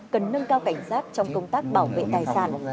cần nâng cao cảnh giác trong công tác bảo vệ tài sản